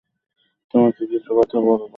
তোমাকে কিছু কথা বলব?